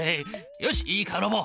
よしいいかロボ。